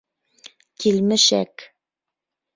Килмешәк.